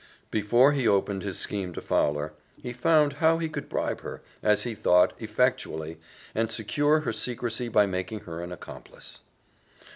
Before he opened his scheme to Fowler, he found how he could bribe her, as he thought, effectually, and secure her secrecy by making her an accomplice.